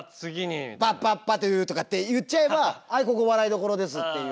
パッパッパって言っちゃえばはいここ笑いどころですっていう。